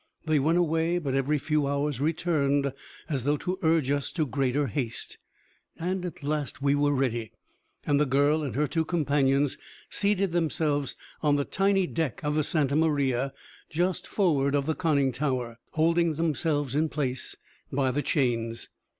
They went away, but every few hours returned, as though to urge us to greater haste. And at last we were ready, and the girl and her two companions seated themselves on the tiny deck of the Santa Maria, just forward of the conning tower, holding themselves in place by the chains.